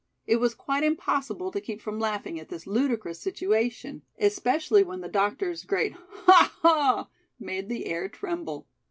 It was quite impossible to keep from laughing at this ludicrous situation, especially when the doctor's great "haw haw" made the air tremble.